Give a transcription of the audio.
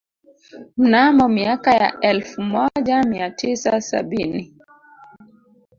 Mnamo miaka ya elfu moja mia tisa sabini